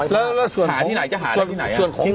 แล้วส่วนของ